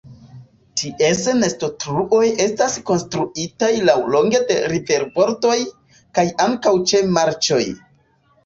Ties nestotruoj estas konstruitaj laŭlonge de riverbordoj, kaj ankaŭ ĉe marĉoj.